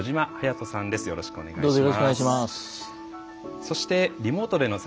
藤井さんよろしくお願いします。